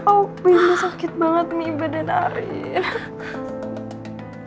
aduh baby sakit banget mi badan arin